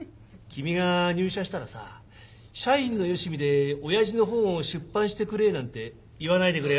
君が入社したらさ社員のよしみで親父の本を出版してくれなんて言わないでくれよ？